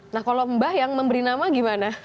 nah kalau mbah yang memberi nama gimana